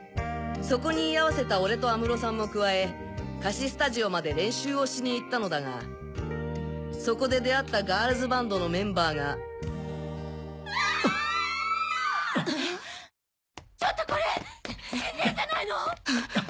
そこに居合わせた俺と安室さんも加え貸しスタジオまで練習をしに行ったのだがそこで出会ったガールズバンドのメンバーが・キャーッ！！